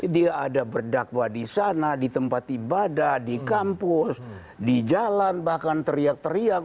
dia ada berdakwah di sana di tempat ibadah di kampus di jalan bahkan teriak teriak